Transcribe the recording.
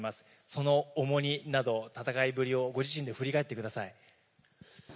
その重荷など、戦いぶりをご自身で振り返ってください。